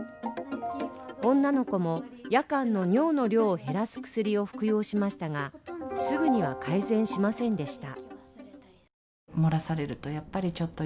女の子も夜間の尿の量を減らす薬を服用しましたが、すぐには改善しませんでした。